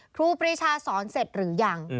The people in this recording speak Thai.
ครูปรีชาสอนเสร็จหรือยัง